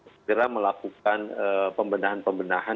segera melakukan pembenahan pembenahan